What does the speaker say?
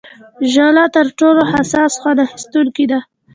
ژله تر ټولو حساس خوند اخیستونکې ده.